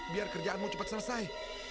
biar kerjaanmu cepat selesai